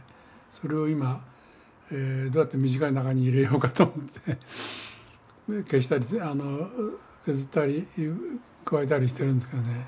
それを今どうやって短い中に入れようかと思って消したり削ったり加えたりしてるんですけどね。